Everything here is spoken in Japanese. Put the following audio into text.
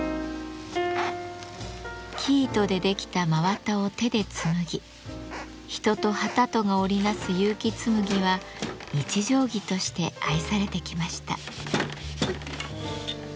生糸で出来た真綿を手で紡ぎ人と機とが織り成す結城紬は日常着として愛されてきました。